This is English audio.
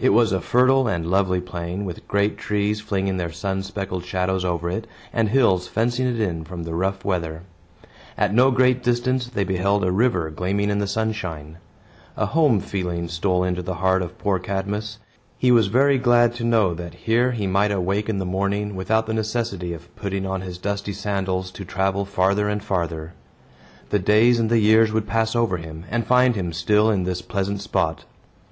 It was a fertile and lovely plain, with great trees flinging their sun speckled shadows over it, and hills fencing it in from the rough weather. At no great distance, they beheld a river gleaming in the sunshine. A home feeling stole into the heart of poor Cadmus. He was very glad to know that here he might awake in the morning without the necessity of putting on his dusty sandals to travel farther and farther. The days and the years would pass over him, and find him still in this pleasant spot.